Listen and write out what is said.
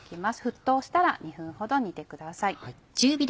沸騰したら２分ほど煮てください。